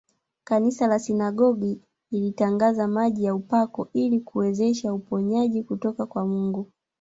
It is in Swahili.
Kanisa la sinagogi ilitangaza maji ya upako ili kuwezesha uponyaji kutoka kwa Mungu